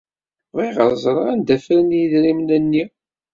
Bɣiɣ ad ẓreɣ anda ffren idrimen-nni.